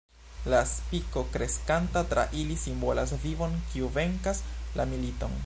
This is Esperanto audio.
La spiko, kreskanta tra ili, simbolas vivon, kiu venkas la militon.